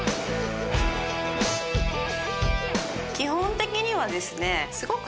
基本的にはですね。